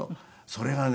それがね